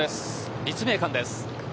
立命館です。